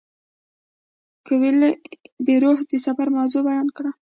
کویلیو د روح د سفر موضوع بیان کړه.